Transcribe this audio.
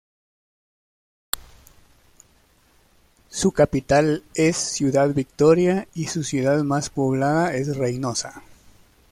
Su capital es Ciudad Victoria y su ciudad más poblada es Reynosa.